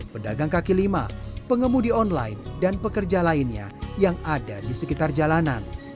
pedagang kaki lima pengemudi online dan pekerja lainnya yang ada di sekitar jalanan